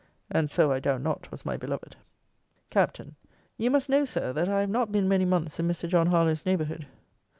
And so I doubt not was my beloved. Capt. 'You must know, Sir, that I have not been many months in Mr. John Harlowe's neighbourhood.